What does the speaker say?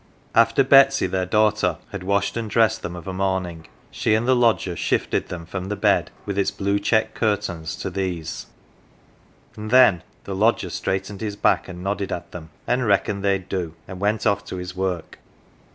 After Betsy their daughter had washed and dressed them of a morning, she and the lodger "shifted" them from the bed with its blue checked curtains to these ; and then the lodger straightened his back and nodded at them, and " reckoned they'd do," and went 23 GAFFER'S CHILD off' to his work.